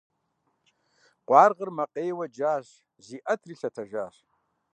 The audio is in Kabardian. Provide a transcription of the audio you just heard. Къуаргъыр макъейуэ джэщ, зиӀэтри лъэтэжащ.